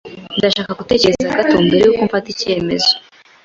Ndashaka kubitekerezaho gato mbere yuko mfata icyemezo.